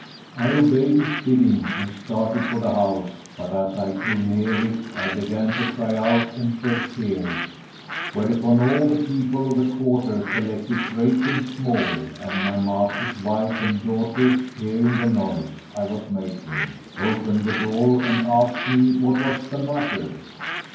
I obeyed his bidding and started for the house but, as I drew near it, I began to cry out and shed tears, whereupon all the people of the quarter collected, great and small; and my master's wife and daughters, hearing the noise I was making, opened the door and asked me what was the matter.